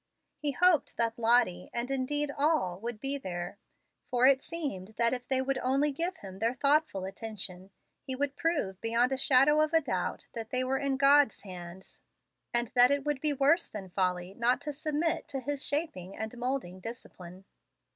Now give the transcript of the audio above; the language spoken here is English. He hoped that Lottie, and indeed all, would be there, for it seemed that if they would only give him their thoughtful attention he would prove beyond a shadow of a doubt that they were in God's hands, and that it would be worse than folly not to submit to His shaping and moulding discipline.